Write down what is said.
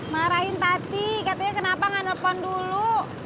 marahin tati katanya kenapa gak telpon dulu